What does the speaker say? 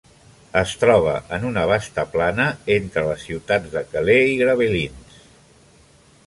Es troba en una vasta plana, entre les ciutats de Calais i Gravelines.